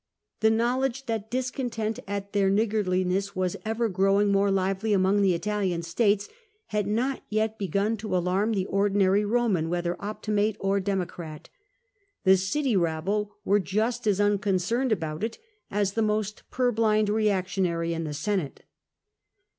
The knowledge that discontent at their niggardliness was ever growing more lively among the Italian states, had not yet begun to alarm the ordinary Roman, whether Optimate or Democrat. The city rabble were just as unconcerned about it as the most purblind reactionary in the Senate.